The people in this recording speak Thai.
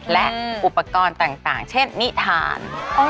และอุปกรณ์ต่างเช่นนิทาน